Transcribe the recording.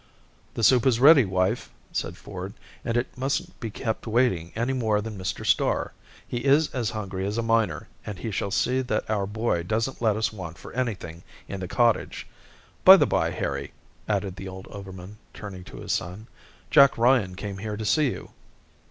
"The soup is ready, wife," said Ford, "and it mustn't be kept waiting any more than Mr. Starr. He is as hungry as a miner, and he shall see that our boy doesn't let us want for anything in the cottage! By the bye, Harry," added the old overman, turning to his son, "Jack Ryan came here to see you."